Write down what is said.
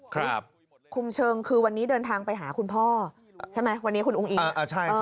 คุมเชิงคือวันนี้เดินทางไปหาคุณพ่อใช่ไหมวันนี้คุณอุ้งอิงอ่าใช่เออ